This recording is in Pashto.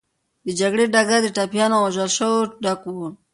د جګړې ډګر د ټپيانو او وژل سوو ډک و.